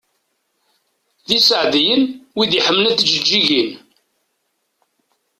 D iseɛdiyen wid i iḥemmlen tjeǧǧigin.